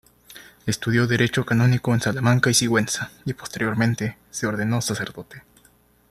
Estudió derecho canónico en Salamanca y Sigüenza y posteriormente se ordenó sacerdote.